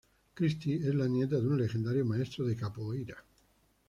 Christie es la nieta de un legendario maestro de Capoeira.